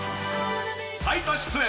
最多出演！